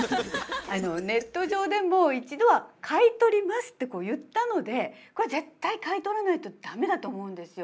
ネット上でも一度は買い取りますって言ったのでこれは絶対買い取らないと駄目だと思うんですよ。